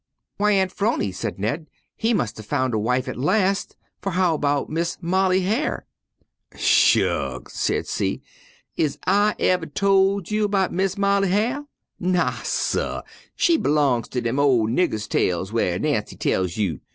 "Why, Aunt 'Phrony," said Ned, "he must have found a wife at last, for how about Mis' Molly Hyar'?" "Shucks!" said she, "is I uver tol' you 'bout Mis' Molly Hyar'? Naw, suh, she b'longs in dem ol' nigger tales whar Nancy tells you.